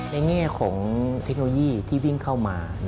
แง่ของเทคโนโลยีที่วิ่งเข้ามา